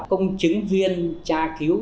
công chứng viên cha cứu